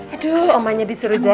aduh omanya disuruh jaga